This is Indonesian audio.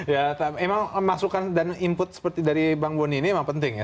ya memang masukan dan input seperti dari bang boni ini memang penting ya